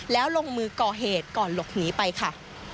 แล้วลงมือก่อเหตุก่อนหลบหนีไปค่ะ